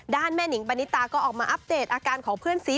แม่นิงปณิตาก็ออกมาอัปเดตอาการของเพื่อนซี